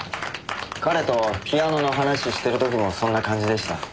彼とピアノの話してる時もそんな感じでした。